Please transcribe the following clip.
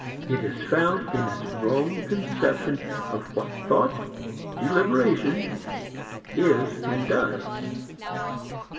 It is found in its wrong conception of what thought, deliberation, is and does.